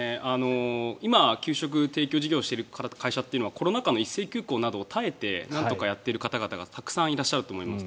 今、給食提供事業をしている会社というのはコロナ禍の一斉休校などを耐えてなんとかやっていらっしゃる方々がたくさんあると思います。